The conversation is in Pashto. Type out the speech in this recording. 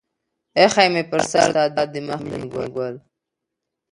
اىښى مې پر سر دى ستا د مخ د مينې گل